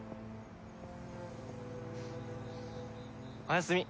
おやすみ。